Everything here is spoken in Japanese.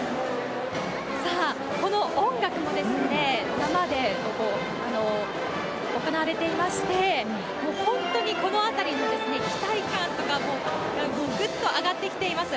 さあ、この音楽もですね、生で行われていまして、もう本当にこのあたりに、期待感とか、もうぐっと上がってきています。